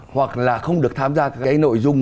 hoặc là không được tham gia cái nội dung